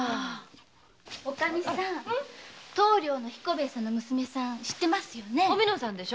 おカミさん棟梁の彦兵衛さんの娘さん知ってますよね？